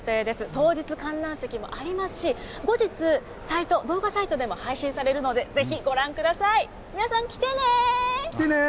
当日、観覧席もありますし、後日、サイト、動画サイトでも配信されるので、ぜひご覧ください。来てねー！